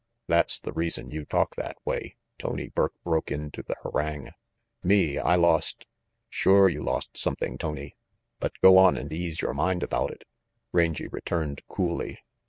That's the reason you talk that way," Tony Burke broke into the harangue. "Me, Host" "Sure you lost something, Tony, but go on and ease your mind about it," Rangy returned coolly.